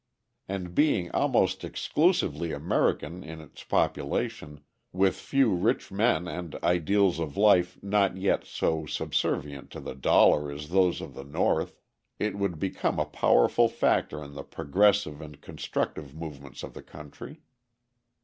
And being almost exclusively American in its population, with few rich men and ideals of life not yet so subservient to the dollar as those of the North, it would become a powerful factor in the progressive and constructive movements of the country.